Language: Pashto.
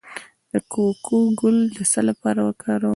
د کوکو ګل د څه لپاره وکاروم؟